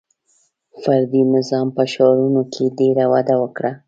• فردي نظام په ښارونو کې ډېر وده وکړه.